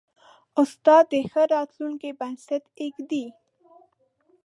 استاد د ښه راتلونکي بنسټ ایږدي.